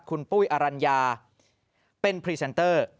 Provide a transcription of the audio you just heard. คุณปุ้ยอรัญญาเป็นพรีเซนเตอร์